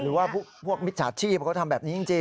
หรือว่าพวกมิจฉาชีพเขาทำแบบนี้จริง